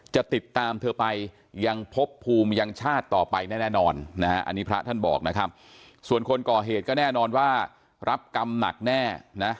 จะติดตามเธอไปยังพบภูมิยังชาติต่อไปแน่นอนนะฮะอันนี้พระท่านบอกนะครับส่วนคนก่อเหตุก็แน่นอนว่ารับกรรมหนักแน่นะ